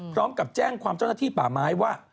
พร้อมกับแจ้งความเจ้าหน้าที่ป่าไม้ว่า